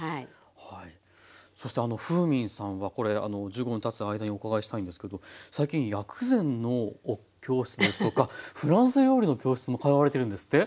そしてあのふーみんさんは１５分たつ間にお伺いしたいんですけど最近薬膳のお教室ですとかフランス料理の教室も通われてるんですって？